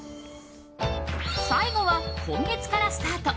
最後は今月からスタート！